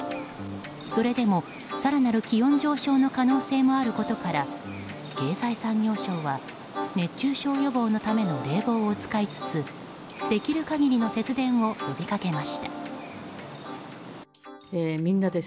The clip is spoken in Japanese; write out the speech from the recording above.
それでも更なる気温上昇の可能性もあることから経済産業省は熱中症予防のための冷房を使いつつできる限りの節電を呼びかけました。